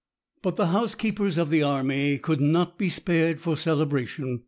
But the housekeepers of the army could not be spared for celebrations.